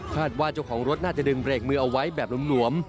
ว่าเจ้าของรถน่าจะดึงเบรกมือเอาไว้แบบหลวม